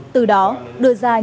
từ đó đưa ra nhận thức